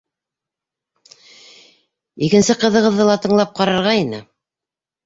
Икенсе ҡыҙығыҙҙы ла тыңлап ҡарарға ине...